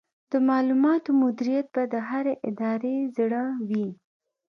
د معلوماتو مدیریت به د هرې ادارې زړه وي.